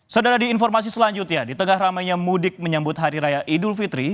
saudara di informasi selanjutnya di tengah ramainya mudik menyambut hari raya idul fitri